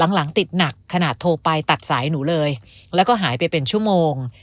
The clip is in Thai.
หลังติดหนักขนาดโทรไปตัดสายหนูเลยแล้วก็หายไปเป็นชั่วโมง